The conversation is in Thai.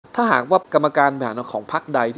ถ้าหากว่ากรรมการบริหารของพักใด